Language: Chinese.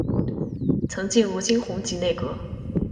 曾进入金弘集内阁。